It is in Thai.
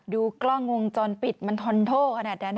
ดูกล้องวงจรปิดมันทอนโทขนาดนั้น